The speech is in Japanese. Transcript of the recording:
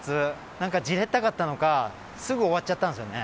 何かじれったかったのかすぐ終わっちゃったんすよね。